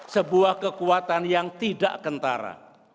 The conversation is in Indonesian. sebuah kekuatan yang tidak kentara